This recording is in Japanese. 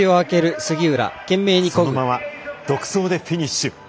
そのまま独走でフィニッシュ。